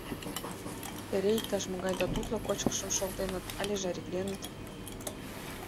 Эре иктаж-могай да тутло кочкышым шолтеныт але жаритленыт.